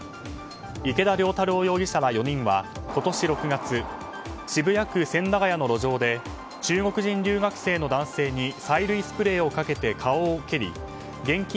池田燎太朗容疑者ら４人は今年６月渋谷区千駄ヶ谷の路上で中国人留学生の男性に催涙スプレーをかけて、顔を蹴り現金